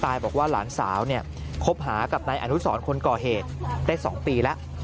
บอกว่าหลานสาวเนี่ยคบหากับนายอนุสรคนก่อเหตุได้๒ปีแล้ว